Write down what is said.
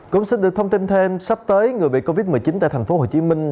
cũng xin được thông tin thêm sắp tới người bị covid một mươi chín tại thành phố hồ chí minh